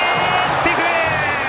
セーフ！